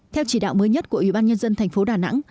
theo chỉ đạo mới nhất của ủy ban nhân dân thành phố đà nẵng